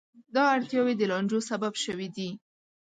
دا اړتیاوې د لانجو سبب شوې دي.